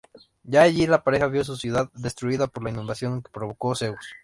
Ya allí, la pareja vio su ciudad destruida por una inundación que provocó Zeus.